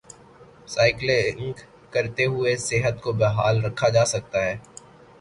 cycling کرتے ہوئے صحت کو بحال رکھا جا سکتا ہے